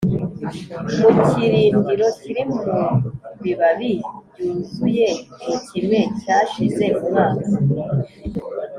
mu kirindiro kiri mu bibabi byuzuye mu kime cyashize umwaka